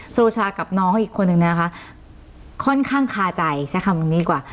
โรชากับน้องอีกคนนึงนะคะค่อนข้างคาใจใช้คำตรงนี้ดีกว่า